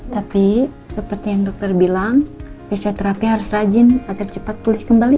tapi seperti yang dokter bilang fisioterapi harus rajin agar cepat pulih kembali